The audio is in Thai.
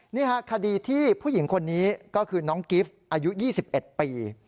นี่ค่ะคดีที่ผู้หญิงคนนี้ก็คือน้องกิฟต์อายุ๒๑ปี